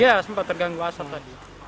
iya sempat terganggu asap tadi